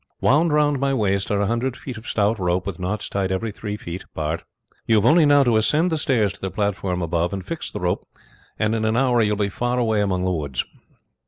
Wound round my waist are a hundred feet of stout rope, with knots tied three feet apart. We have only now to ascend the stairs to the platform above and fix the rope, and in an hour you will be far away among the woods."